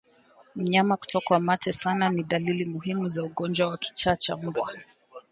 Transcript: Mnyama kutokwa mate sana ni dalili muhimu za ugonjwa wa kichaa cha mbwa